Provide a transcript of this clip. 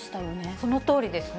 そのとおりですね。